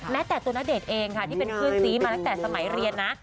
แม้แต่ตัวณเดชน์เองค่ะที่เป็นเพื่อนซีมาตั้งแต่สมัยเรียนนะ